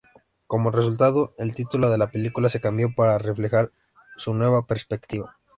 Como resultado, el título de la película se cambió para reflejar su nueva perspectiva.